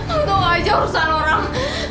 untung aja urusan orang